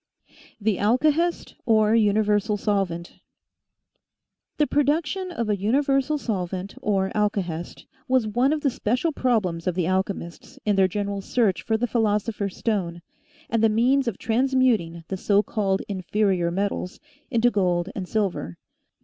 THE ALKAHEST OR UNIVERSAL SOLVENT HE production of a universal solvent or alkahest was one of the special problems of the alchemists in their general search for the philosopher's stone and the means of transmuting the so called inferior metals into gold and silver.